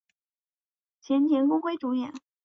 前田公辉主演。